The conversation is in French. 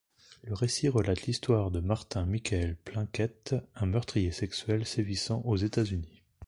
Le récit relate l'histoire de Martin Michael Plunkett, un meurtrier sexuel sévissant aux États-Unis.